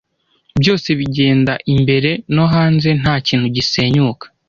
Byose bigenda imbere no hanze, ntakintu gisenyuka,